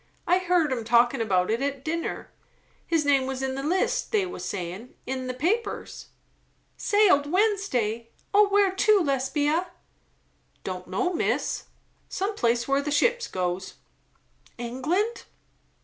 I heerd 'em talking about it at dinner. His name was in the list, they was sayin'; in the papers." "Sailed Wednesday? O where to, Lesbia?" "Don' know, miss; some place where the ships goes." "England?"